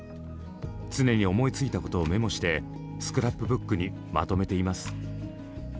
常に思いついたことをメモしてスクラップブックにまとめています。